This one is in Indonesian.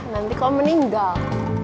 nanti kau meninggal